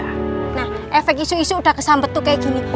nah efek isu isu udah kesambet tuh kayak gini